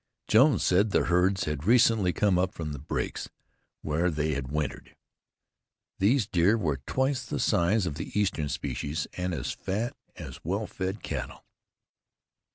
Jones said the herds had recently come up from the breaks, where they had wintered. These deer were twice the size of the Eastern species, and as fat as well fed cattle.